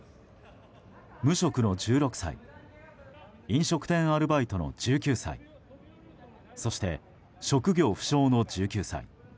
無職の１６歳飲食店アルバイトの１９歳そして、職業不詳の１９歳。